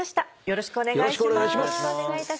よろしくお願いします。